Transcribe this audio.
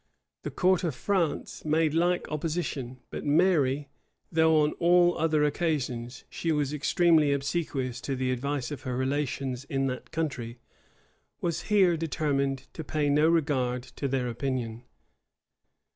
[] The court of France made like opposition; but Mary, though on all other occasions she was extremely obsequious to the advice of her relations in that country, was here determined to pay no regard to their opinion.